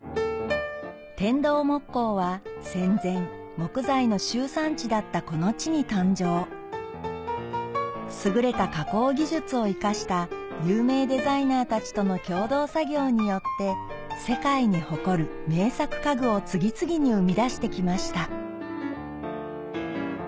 天童木工は戦前木材の集散地だったこの地に誕生優れた加工技術を生かした有名デザイナーたちとの共同作業によって世界に誇る名作家具を次々に生み出してきました